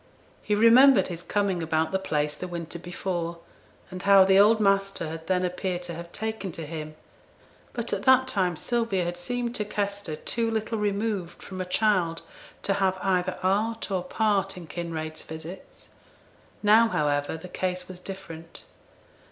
He remembered his coming about the place the winter before, and how the old master had then appeared to have taken to him; but at that time Sylvia had seemed to Kester too little removed from a child to have either art or part in Kinraid's visits; now, however, the case was different.